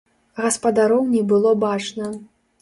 Гаспадароў не было бачна.